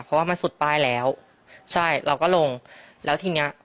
เพราะว่ามันสุดป้ายแล้วใช่เราก็ลงแล้วทีเนี้ย